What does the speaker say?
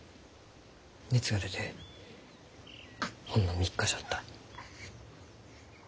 熱が出てほんの３日じゃった。